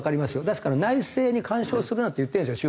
ですから内政に干渉するなって言ってるんですよ